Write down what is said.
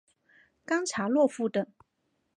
冈察洛夫等。